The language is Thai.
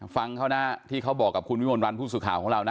ฟังเขานะที่เขาบอกกับคุณวิมลวันผู้สื่อข่าวของเรานะ